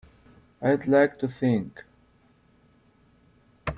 I'd like to think.